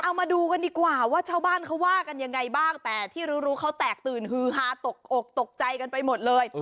เอามาดูกันดีกว่าว่าชาวบ้านเขาว่ากันยังไงบ้างแต่ที่รู้เขาแตกตื่นฮือฮาตกอกตกใจกันไปหมดเลย